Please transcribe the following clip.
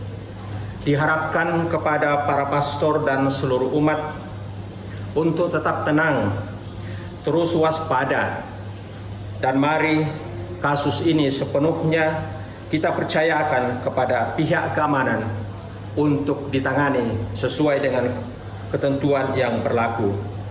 yang ketiga diharapkan kepada para pastor dan seluruh umat untuk tetap tenang terus waspada dan mari kasus ini sepenuhnya kita percayakan kepada pihak keamanan untuk ditangani sesuai dengan ketentuan yang berlaku